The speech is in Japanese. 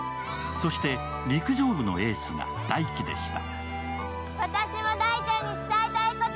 そして陸上部のエースが大輝でした。